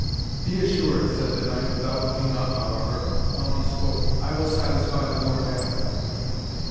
"Be assured," said the knight, without looking up, however, while he spoke, "I will satisfy the Lord Abbot."